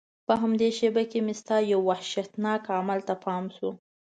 په همدې شېبه کې مې ستا یو وحشتناک عمل ته پام شو.